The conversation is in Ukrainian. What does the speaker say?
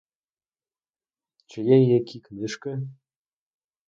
Чи є які книжки?